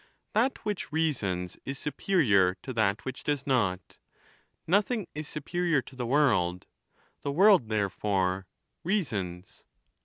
"That which reasons is superior to that which does not; nothing is superior to the world; the world, therefore, reasons."